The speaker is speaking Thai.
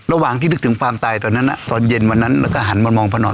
ระหว่างที่นึกถึงความตายตอนนั้นตอนเย็นวันนั้นแล้วก็หันมามองพนอด